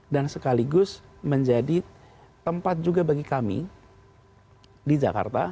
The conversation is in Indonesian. dan sekaligus menjadi tempat juga bagi kami di jakarta